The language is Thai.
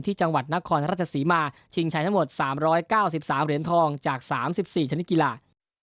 จังหวัดนครราชศรีมาชิงชัยทั้งหมด๓๙๓เหรียญทองจาก๓๔ชนิดกีฬา